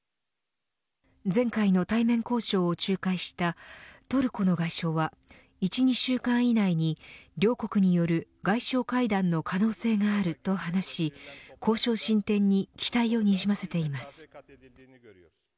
前回の対面交渉を仲介したトルコの外相は１、２週間以内に両国による外相会談の可能性があると話し交渉進展に期待をにじませています。